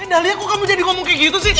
eh dahlia kok kamu jadi ngomong kayak gitu sih